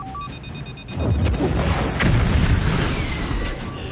あっ。